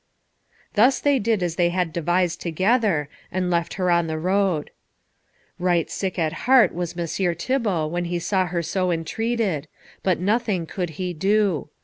Thus they did as they had devised together, and left her on the road. Right sick at heart was Messire Thibault when he saw her so entreated, but nothing could he do.